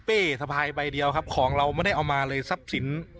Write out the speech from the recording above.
สะพายใบเดียวครับของเราไม่ได้เอามาเลยทรัพย์สิน